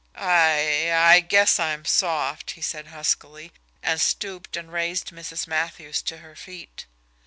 "I I guess I'm soft," he said huskily, and stooped and raised Mrs. Matthews to her feet.